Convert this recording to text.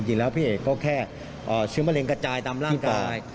จริงแล้วพี่เอกก็แค่เชื้อมะเร็งกระจายตามร่างกาย